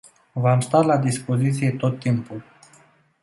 V-am stat la dispoziție tot timpul.